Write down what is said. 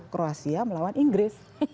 kroasia melawan inggris